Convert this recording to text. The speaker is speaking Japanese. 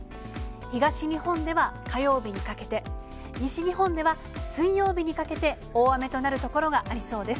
東日本では火曜日にかけて、西日本では水曜日にかけて大雨となる所がありそうです。